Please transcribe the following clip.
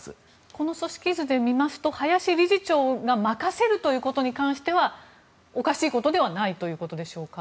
この組織図で見ますと林理事長が任せるということに関してはおかしいことではないということでしょうか？